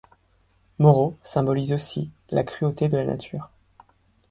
Moro symbolise aussi la cruauté de la nature.